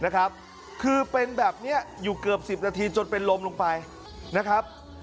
คือเป็นแบบนี้อยู่เกือบ๑๐นาทีจนเป็นลมลงไปนะครับ